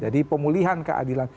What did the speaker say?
jadi pemulihan keadilan